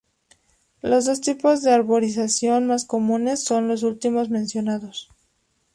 Los dos tipos de arborización más comunes son los últimos mencionados.